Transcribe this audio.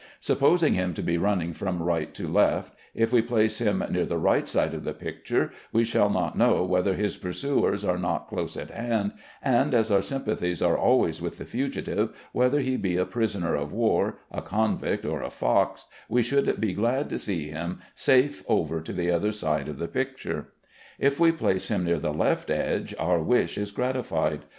Supposing him to be running from right to left, if we place him near the right side of the picture we shall not know whether his pursuers are not close at hand, and as our sympathies are always with the fugitive, whether he be a prisoner of war, a convict, or a fox, we should be glad to see him safe over to the other side of the picture. If we place him near the left edge our wish is gratified.